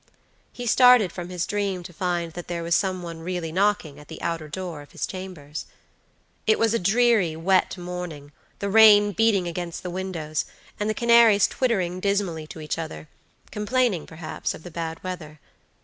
He started from his dream to find that there was some one really knocking at the outer door of his chambers. It was a dreary, wet morning, the rain beating against the windows, and the canaries twittering dismally to each othercomplaining, perhaps, of the bad weather.